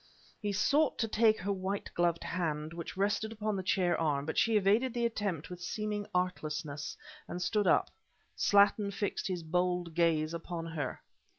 He sought to take her white gloved hand, which rested upon the chair arm; but she evaded the attempt with seeming artlessness, and stood up. Slattin fixed his bold gaze upon her.